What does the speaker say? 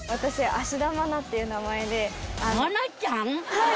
はい。